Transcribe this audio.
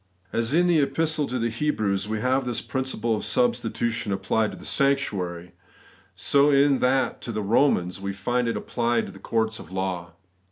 As in the Epistle to the Hebrews we have this principle of substitution applied to the sanctuary, so in that to the Romans we find it applied to the courts of law.